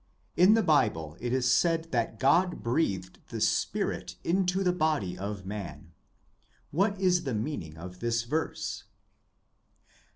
In the Bible it is said that God breathed the spirit into the body of man : What is the meaning of this verse